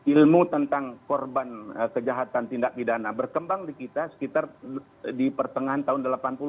ilmu tentang korban kejahatan tindak pidana berkembang di kita sekitar di pertengahan tahun delapan puluh